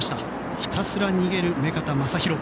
ひたすら逃げる目片将大。